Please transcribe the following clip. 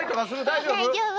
大丈夫。